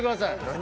何？